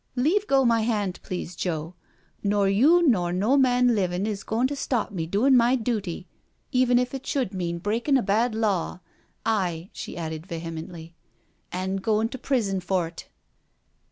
" Leave go my 'and please Joe; nor you nor no man livin' is goin' to stop me doin' my dooty, even if it should mean breakin' 72 NO SURRENDER a bad law— aye/' she added vehemently, " an' goin' to prison for't."